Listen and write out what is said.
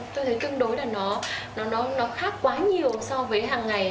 tôi thấy tương đối là nó khác quá nhiều so với hàng ngày